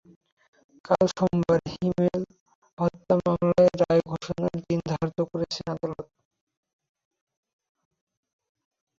কাল সোমবার হিমেল হত্যা মামলার রায় ঘোষণার দিন ধার্য করেছেন আদালত।